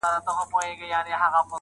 پر زکندن به د وطن ارمان کوینه-